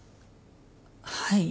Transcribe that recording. はい。